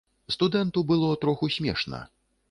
Студэнту было троху смешна.